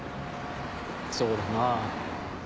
そうだなぁ。